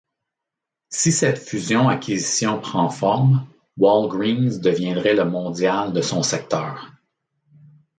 Si cette fusion-acquisition prend forme, Walgreens deviendrait le mondial de son secteur.